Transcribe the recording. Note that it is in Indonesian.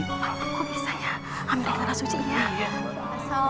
kok bisa ya hamidah di tanah suci ya